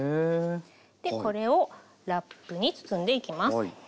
これをラップに包んでいきます。